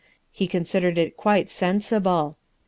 He considered it quite sensible.